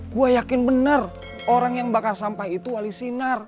gue yakin benar orang yang bakar sampah itu wali sinar